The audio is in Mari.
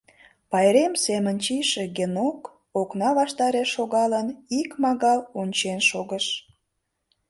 Пайрем семын чийше Генок, окна ваштареш шогалын, ик магал ончен шогыш.